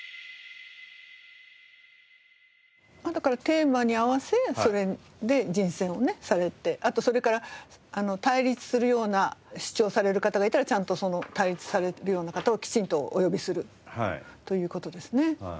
テーマに合わせそれで人選をされてあとそれから対立するような主張をされる方がいたらちゃんとその対立されるような方をきちんとお呼びするという事ですね。